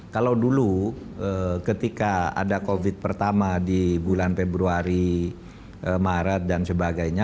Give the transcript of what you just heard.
kalau dulu ketika ada covid pertama di bulan februari maret dan sebagainya